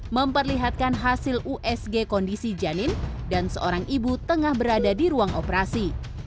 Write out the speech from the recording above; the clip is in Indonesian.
memperlihatkan hasil usg kondisi janin dan seorang ibu tengah berada di ruang operasi